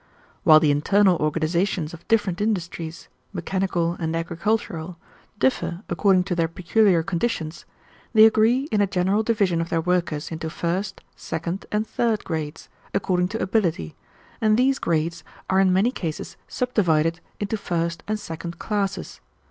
"While the internal organizations of different industries, mechanical and agricultural, differ according to their peculiar conditions, they agree in a general division of their workers into first, second, and third grades, according to ability, and these grades are in many cases subdivided into first and second classes.